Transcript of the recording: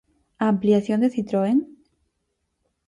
¿A ampliación de Citroën?